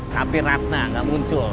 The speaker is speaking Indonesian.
tapi ratna gak muncul